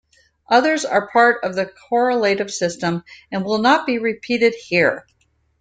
Others are part of the correlative system, and will not be repeated here.